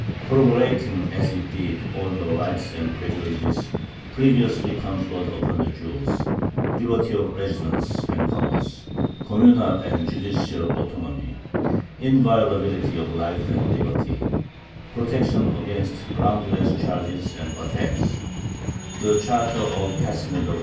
Corroborating as it did all the rights and privileges previously conferred upon the Jews liberty of residence and commerce, communal and judicial autonomy, inviolability of life and liberty, protection against groundless charges and attacks the charter of Casimir IV.